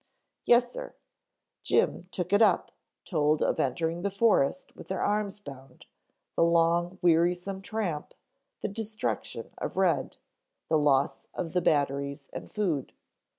"Yes sir." Jim took it up, told of entering the forest with their arms bound, the long wearisome tramp, the destruction of Red, the loss of the batteries and food.